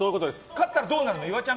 勝ったらどうなるの？